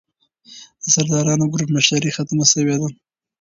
د سردارو ګروپ مشراني ختمه سوې ده.